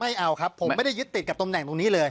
ไม่เอาครับผมไม่ได้ยึดติดกับตำแหน่งตรงนี้เลย